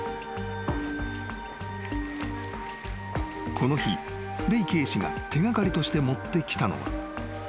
［この日レイ警視が手掛かりとして持ってきたのは］